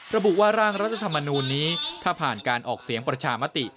ระบุว่าร่างรัฐธรรมนูลนี้ถ้าผ่านการออกเสียงประชามติ